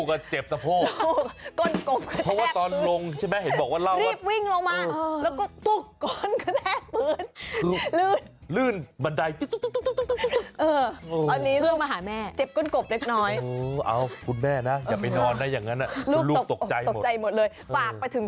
โอ้โหแบบนี้แม่ไม่เป็นไรส่วนลูกเจ็บสะโพก